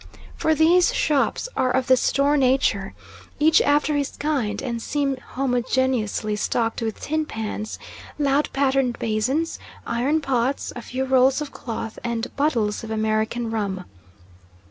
For these shops are of the store nature, each after his kind, and seem homogeneously stocked with tin pans, loud patterned basins, iron pots, a few rolls of cloth and bottles of American rum.